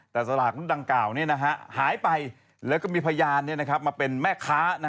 แต่สลากรุ่นดังกล่าวหายไปแล้วก็มีพยานมาเป็นแม่ค้า